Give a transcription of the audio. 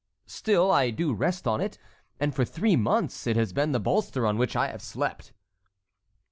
"Still I do rest on it, and for three months it has been the bolster on which I have slept."